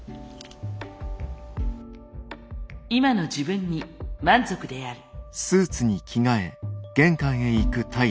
今の自分に満足である。